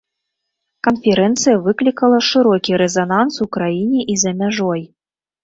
Канферэнцыя выклікала шырокі рэзананс у краіне і за мяжой.